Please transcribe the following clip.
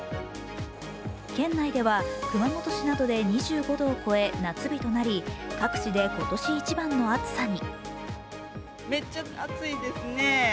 県内では熊本市などで２５度を超え、夏日となり、各地で今年一番の暑さに。